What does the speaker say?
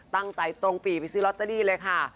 ตรงปีไปซื้อลอตเตอรี่เลยค่ะ